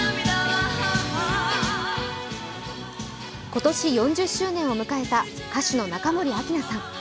今年４０周年を迎えた歌手の中森明菜さん。